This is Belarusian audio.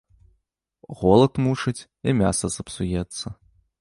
Голад мучыць, і мяса сапсуецца.